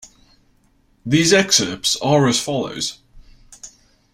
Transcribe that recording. These excerpts are as follows.